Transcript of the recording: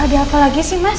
ada apa lagi sih mas